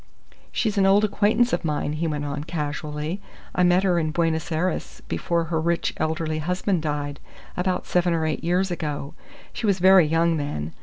"She's an old acquaintance of mine," he went on, casually. "I met her in Buenos Aires before her rich elderly husband died, about seven or eight years ago. She was very young then.